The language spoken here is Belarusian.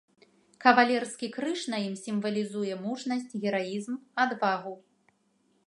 Кавалерскі крыж на ім сімвалізуе мужнасць, гераізм, адвагу.